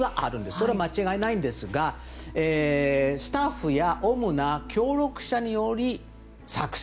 それは間違いないんですがスタッフや主な協力者により作成。